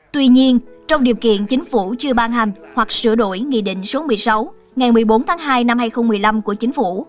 tuy nhiên trong điều kiện chính phủ chưa ban hành hoặc sửa đổi nghị định số một mươi sáu ngày một mươi bốn tháng hai năm hai nghìn một mươi năm của chính phủ